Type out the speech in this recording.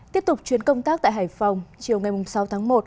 tiếp tục chuyến công tác tại hải phòng chiều ngày sáu tháng một